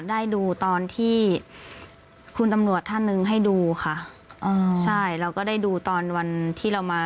ได้ดูตอนที่คุณตำรวจท่านหนึ่งให้ดูค่ะอ๋อใช่เราก็ได้ดูตอนวันที่เรามา